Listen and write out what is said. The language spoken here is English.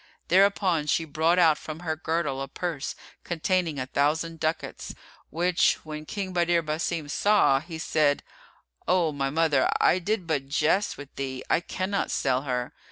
Thereupon she brought out from her girdle a purse containing a thousand ducats, which when King Badr Basim saw, he said, "O my mother, I did but jest with thee; I cannot sell her."